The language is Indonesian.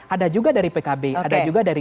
ada juga dari pkb ada juga dari